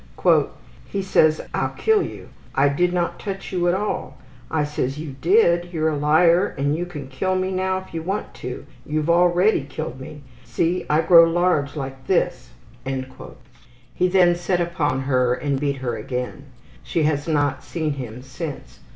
``He says, `I'll kill you. I did not touch you at all.' I says, `You did. You're a liar and you can kill me now if you want to. You have already killed me. See, I grow large like this.' '' He then set upon her and beat her again. She has not seen him since.